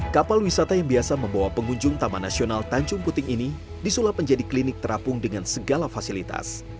kapal wisata yang biasa membawa pengunjung taman nasional tanjung puting ini disulap menjadi klinik terapung dengan segala fasilitas